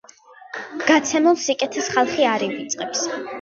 გაცემულ სიკეთეს ხალხი არ ივიწყებს